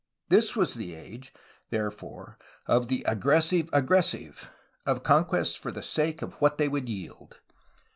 This was the age, therefore, of the ''aggressive aggressive, ''— of conquests for the sake of what they would yield.